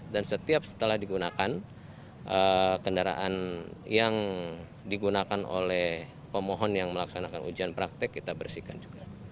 dan setiap setelah digunakan kendaraan yang digunakan oleh pemohon yang melaksanakan ujian praktek kita bersihkan juga